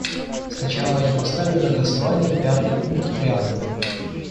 Сначала я поставлю на голосование пятый пункт преамбулы.